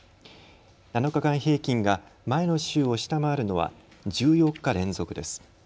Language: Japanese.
７日間平均が前の週を下回るのは１４日連続です。